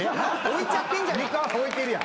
置いちゃってんじゃねえか。